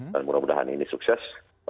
dan mudah mudahan ini sukses